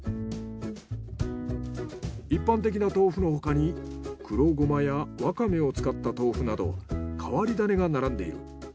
一般的な豆腐のほかに黒ゴマやわかめを使った豆腐など変わり種が並んでいる。